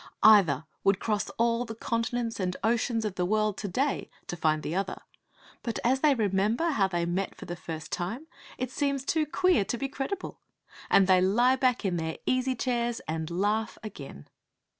Either would cross all the continents and oceans of the world to day to find the other; but as they remember how they met for the first time it seems too queer to be credible. And they lie back in their easy chairs and laugh again.